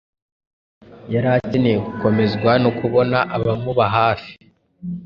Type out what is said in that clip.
yari akeneye gukomezwa no kubona abamuba hafi.